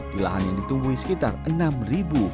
di lahan yang ditumbuhi sekitar enam ribu